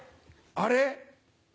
あれ？